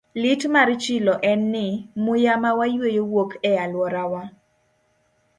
Lit mar chilo en ni, muya ma wayueyo wuok e alworawa.